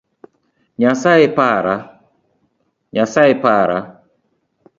Nyasaye para!